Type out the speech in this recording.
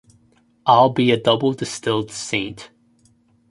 I'll be a double-distilled saint.